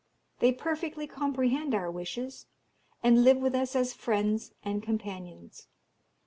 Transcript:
They perfectly comprehend our wishes, and live with us as friends and companions.